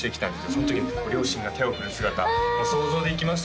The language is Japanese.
その時の両親が手を振る姿想像できました